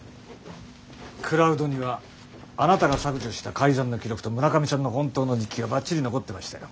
クラウドにはあなたが削除した改ざんの記録と村上さんの本当の日記がバッチリ残ってましたよ。